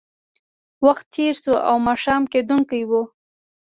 وخت تېر شو او ماښام کېدونکی و